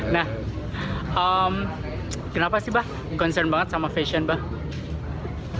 nah kenapa sih bah concern banget sama fashion bah